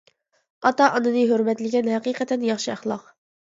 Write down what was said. ئاتا ئانىنى ھۆرمەتلىگەن، ھەقىقەتەن ياخشى ئەخلاق!